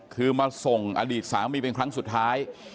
คือมาส่งอดีตสามีเป็นครั้งสุดท้าย